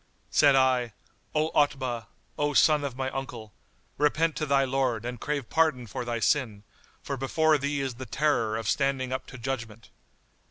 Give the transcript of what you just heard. Said I, "O Otbah, O son of my uncle, repent to thy Lord and drave pardon for thy sin; for before thee is the terror of standing up to Judgment."